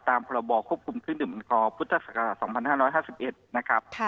ตามประบอกขบคุมเครื่องดิ่มเหมือนกอปุฏษฐาศักราช๒๕๕๑นะครับ